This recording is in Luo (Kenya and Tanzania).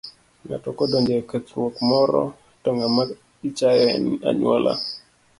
Ng'ato kodonjo e kethruok moro to ng'ama ichayo en anyuola.